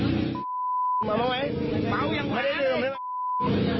มาไหมไม่ได้ดื่มเลย